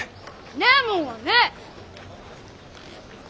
ねえもんはねえ！